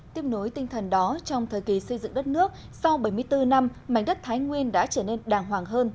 tiếp nối tinh thần đó trong thời kỳ xây dựng đất nước sau bảy mươi bốn năm mảnh đất thái nguyên đã trở nên đàng hoàng hơn